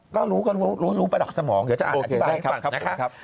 ก็รู้ก็รู้รู้ประดับสมองเดี๋ยวจะอธิบายให้ฟังนะครับ